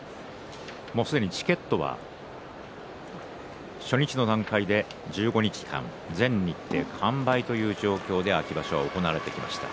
もう、すでにチケットは初日の段階で１５日間全日程完売という状況で秋場所が行われてきました。